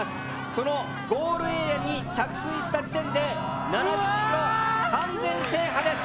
そのゴールエリアに着水した時点で７０ｋｍ完全制覇です。